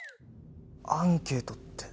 アンケートって。